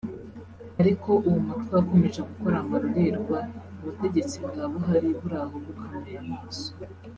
ariko uwo mutwe wakomeje gukora amarorerwa ubutegetsi bwa Buhari buri aho bukanuye amaso